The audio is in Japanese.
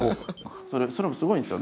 それもすごいんですよ。